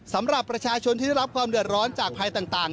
สำหรับประชาชนที่ได้รับความเดือดร้อนจากภัยต่าง